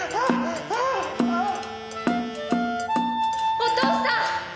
お父さん！